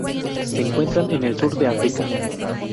Se encuentran en el sur de África.